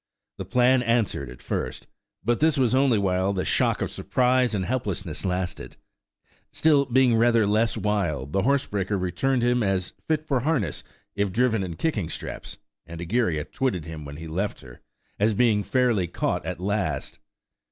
The plan answered at first; but this was only while the shock of surprise and helplessness lasted. Still, being rather less wild, the horsebreaker returned him as "fit for harness, if driven in kicking straps;" and Egeria twitted him when he left her, as being "fairly caught at last."